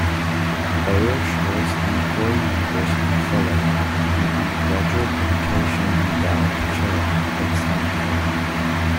Byers holds the McCoy University Fellow in Undergraduate Education endowed chair at Stanford.